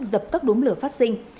giật tắt đúng lửa phát sinh